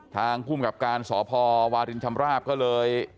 ทางภูมิกับการสพวารินชำราบก็เลย